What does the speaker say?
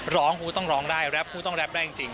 ร้องคุณต้องร้องได้แร็ปคุณต้องแร็ปได้จริง